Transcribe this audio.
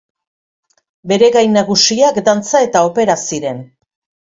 Bere gai nagusiak dantza eta opera ziren.